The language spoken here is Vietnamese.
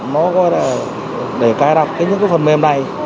nó coi là để cài đặt cái những cái phần mềm này